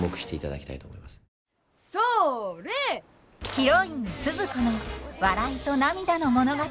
ヒロインスズ子の笑いと涙の物語。